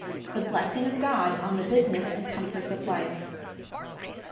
The blessing of God on the business and comforts of life.